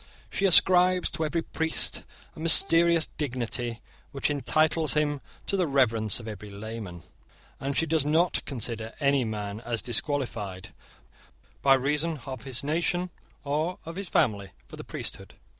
She ascribes to every priest a mysterious dignity which entitles him to the reverence of every layman; and she does not consider any man as disqualified, by reason of his nation or of his family, for the priesthood.